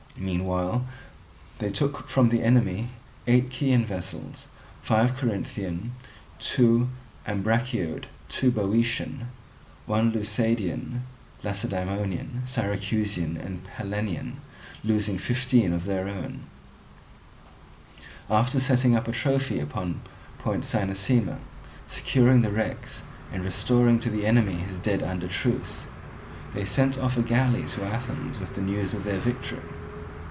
Meanwhile they took from the enemy eight Chian vessels, five Corinthian, two Ambraciot, two Boeotian, one Leucadian, Lacedaemonian, Syracusan, and Pellenian, losing fifteen of their own. After setting up a trophy upon Point Cynossema, securing the wrecks, and restoring to the enemy his dead under truce, they sent off a galley to Athens with the news of their victory.